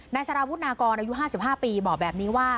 สารวุฒนากรอายุ๕๕ปีบอกแบบนี้ว่า